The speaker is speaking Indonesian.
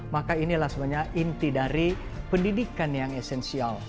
maka inilah sebenarnya inti dari pendidikan yang esensial